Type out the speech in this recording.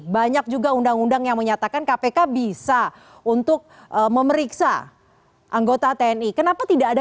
banyak juga undang undang yang menyatakan kpk bisa untuk memeriksa anggota tni kenapa tidak ada